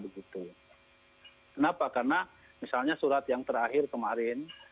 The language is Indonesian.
kenapa karena misalnya surat yang terakhir kemarin